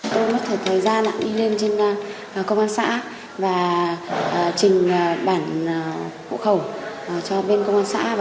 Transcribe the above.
tôi mất thời gian đi lên trên công an xã và trình bản hộ khẩu cho bên công an xã